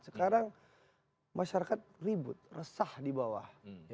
sekarang masyarakat ribut resah di bawah